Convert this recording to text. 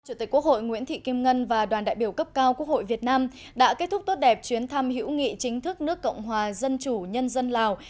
chủ tịch quốc hội nguyễn thị kim ngân và đoàn đại biểu cấp cao quốc hội việt nam đã kết thúc tốt đẹp chuyến thăm hữu nghị chính thức nước cộng hòa dân chủ nhân dân lào